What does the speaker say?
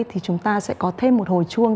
thì chúng ta sẽ có thêm một hồi chuông